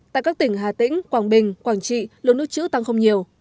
tại các tỉnh hà tĩnh quảng bình quảng trị lượng nước chữ tăng không nhiều